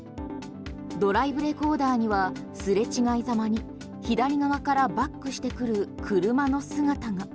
ドライブレコーダーにはすれ違いざまに左側からバックしてくる車の姿が。